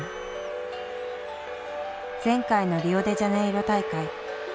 前回のリオデジャネイロ大会。